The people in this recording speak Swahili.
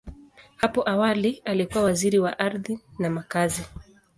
Hapo awali, alikuwa Waziri wa Ardhi na Makazi.